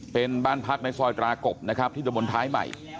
เป็นบ้านพักในซอยตรากบที่ดมท้ายใหม่